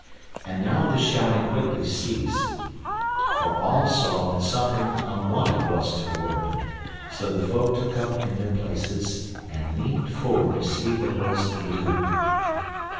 And now the shouting quickly ceased, for all saw that something unwonted was toward, so the folk stood up in their places and leaned forward to see what was the ado.